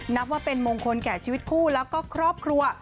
นับว่าเป็นมงคลแก่ชีวิตคู่แล้วก็ครอบครัว